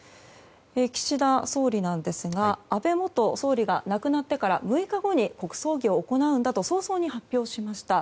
岸田総理なんですが安倍元総理が亡くなってから６日後に、国葬儀を行うと早々に発表しました。